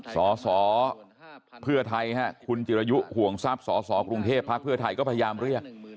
สสเพื่อไทยคุณจิรยุห่วงทรัพย์สสกรุงเทพภักดิ์เพื่อไทยก็พยายามเรียก